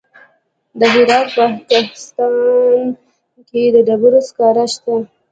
د هرات په کهسان کې د ډبرو سکاره شته.